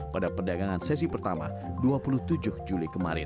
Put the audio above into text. pada perdagangan sesi pertama dua puluh tujuh juli kemarin